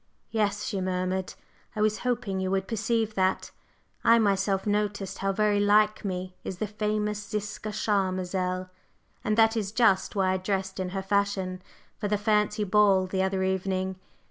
"Yes," she murmured, "I was hoping you would perceive that. I myself noticed how very like me is the famous Ziska Charmazel, and that is just why I dressed in her fashion for the fancy ball the other evening.